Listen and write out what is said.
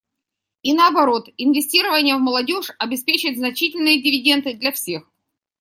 И наоборот, инвестирование в молодежь обеспечит значительные дивиденды для всех.